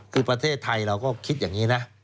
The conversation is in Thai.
คือประเทศไทยเราก็คิดอย่างนี้นะ